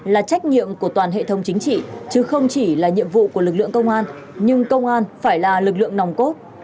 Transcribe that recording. là trách nhiệm của toàn hệ thống chính trị chứ không chỉ là nhiệm vụ của lực lượng công an nhưng công an phải là lực lượng nòng cốt